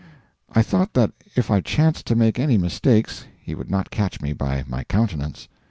I thought that if I chanced to make any mistakes, he would not catch me by my countenance.